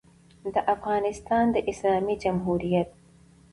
د افغانستان د اسلامي جمهوریت